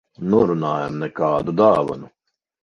Norunājām - nekādu dāvanu.